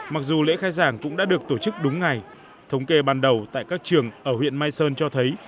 mặc dù lễ khai giảng cũng đã được tổ chức đúng ngày thống kê ban đầu tại các trường ở huyện mai sơn cho thấy